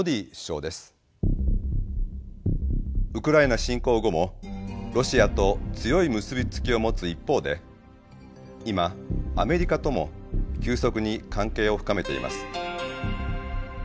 ウクライナ侵攻後もロシアと強い結び付きを持つ一方で今アメリカとも急速に関係を深めています。